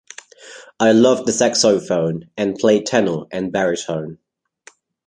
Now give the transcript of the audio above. I loved the saxophone and played tenor and baritone.